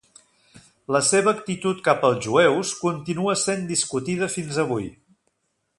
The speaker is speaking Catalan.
La seva actitud cap als jueus continua sent discutida fins avui.